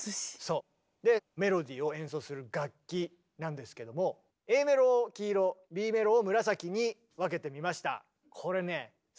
でメロディーを演奏する楽器なんですけどもＡメロを黄色Ｂメロを紫に分けてみました。